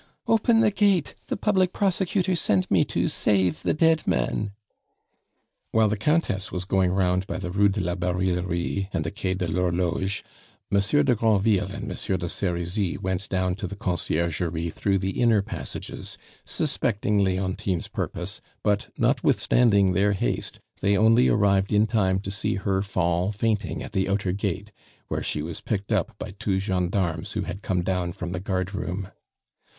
"Open the gate the public prosecutor sent me to save the dead man! " While the Countess was going round by the Rue de la Barillerie and the Quai de l'Horloge, Monsieur de Granville and Monsieur de Serizy went down to the Conciergerie through the inner passages, suspecting Leontine's purpose; but notwithstanding their haste, they only arrived in time to see her fall fainting at the outer gate, where she was picked up by two gendarmes who had come down from the guardroom.